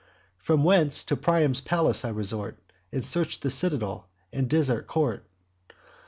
From thence to Priam's palace I resort, And search the citadel and desert court.